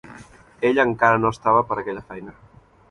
Ella encara no estava per aquella feina.